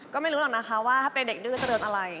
ก็ไม่รู้หรอกนะคะว่าถ้าเป็นเด็กดื้อจะเดินอะไร